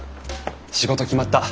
仕事決まった。